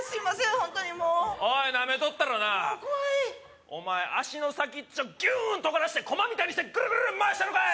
ホントにもうおいナメとったらなお前足の先っちょギュンとがらしてコマみたいにしてグルグル回したろかい！